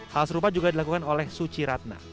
hal serupa juga dilakukan oleh suci ratna